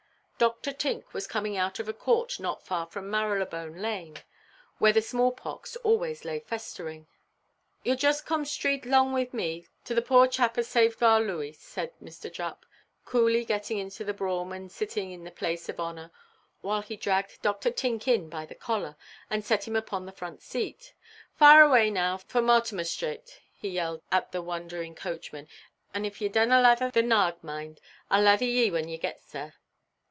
Dr. Tink was coming out of a court not far from Marylebone–lane, where the small–pox always lay festering. "Yeʼll just corm street 'long wi' me to the poor charp as saved our Looey," said Mr. Jupp, coolly getting into the brougham, and sitting in the place of honour, while he dragged Dr. Tink in by the collar, and set him upon the front seat. "Fire awa' now for Martimer–straat," he yelled to the wondering coachman, "and if ye dunna laither the narg, mind, Iʼll laither ye when we gits there."